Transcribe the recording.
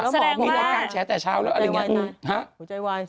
แสดงว่าขอบใจไว้